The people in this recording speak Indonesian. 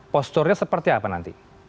posturnya seperti apa nanti